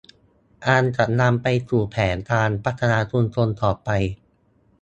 อันจะนำไปสู่แผนการพัฒนาชุมชนต่อไป